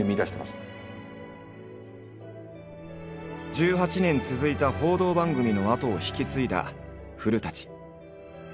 １８年続いた報道番組の後を引き継いだ古。